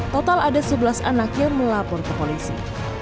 total ada sebelas anak yang melapor ke polisi